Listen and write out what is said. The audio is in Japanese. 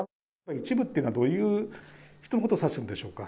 一部っていうのはどういう人のことを指すんでしょうか？